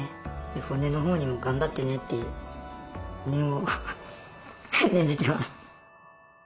骨のほうにも頑張ってねって念を念じてます。